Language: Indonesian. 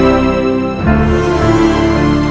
aku ingin mengingatku bunda